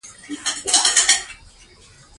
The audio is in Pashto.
د کولمو اختلالات د رواني ناروغیو خطر زیاتوي.